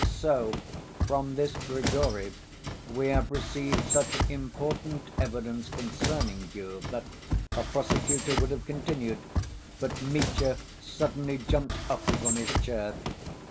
"So from this Grigory we have received such important evidence concerning you, that—" The prosecutor would have continued, but Mitya suddenly jumped up from his chair.